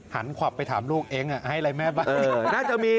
หันควับไปถามลูกเองให้อะไรแม่ไว้